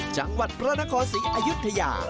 จังหวัดพระนครศรีอายุทยา